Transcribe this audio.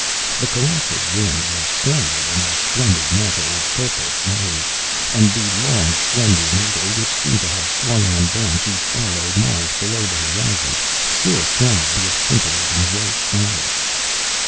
The colossal ring was shrouded in a splendid mantle of purple flame; and the long, slender needle, which seemed to have swung on down to follow Mars below the horizon, still throbbed with scintillating white fire.